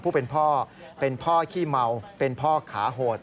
ผู้เป็นพ่อเป็นพ่อขี้เมาเป็นพ่อขาโหด